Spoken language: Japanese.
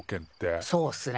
そうっすね。